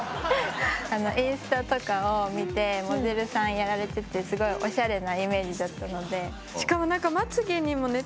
インスタとかを見てモデルさんやられててすごいおしゃれなイメージだったので。